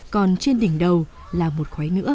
còn trên đỉnh đầu là một khoái nữa